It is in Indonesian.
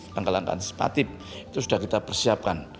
langkah langkah antisipatif itu sudah kita persiapkan